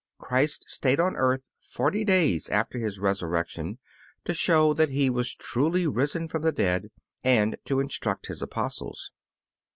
Christ stayed on earth forty days after His resurrection to show that He was truly risen from the dead, and to instruct His Apostles.